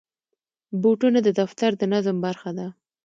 بوټونه د دفتر د نظم برخه ده.